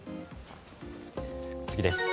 次です。